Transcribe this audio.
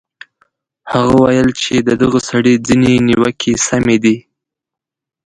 هغه ویل چې د دغه سړي ځینې نیوکې سمې دي.